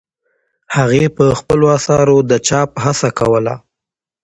هغې په خپلو اثارو د چاپ هڅه کوله.